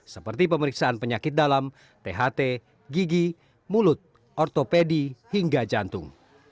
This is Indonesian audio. seperti pemeriksaan penyakit dalam tht gigi mulut ortopedi hingga jantung